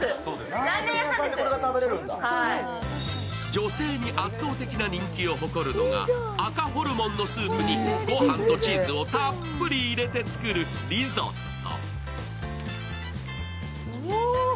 女性に圧倒的な人気を誇るのが赤ホルモンのスープにご飯とチーズをたっぷり入れて作るリゾット。